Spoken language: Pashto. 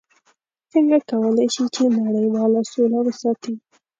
څنګه کولی شي چې نړیواله سوله وساتي؟